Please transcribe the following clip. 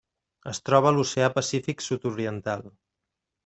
Es troba a l'Oceà Pacífic sud-oriental: